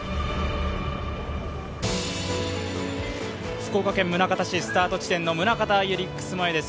福岡県宗像市、スタート地点の宗像ユリックス前です。